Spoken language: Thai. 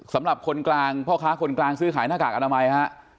สำหรับคนกลางพ่อค้าคนกลางซื้อขายหน้ากากอนามัยฮะ